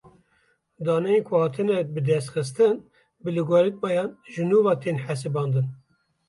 Daneyên ku hatine bidestxistin bi logarîtmayan ji nû ve tên hesibandin.